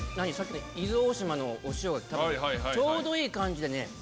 さっき伊豆大島のお塩ちょうどいい感じでね。